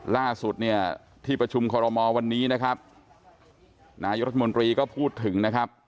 ล่าสุดเนี่ยที่ประชุมคอรมอลวันนี้นะครับนายรัฐมนตรีก็พูดถึงนะครับ